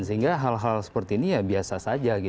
sehingga hal hal seperti ini ya biasa saja